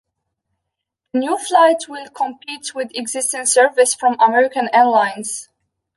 The new flight will compete with existing service from American Airlines.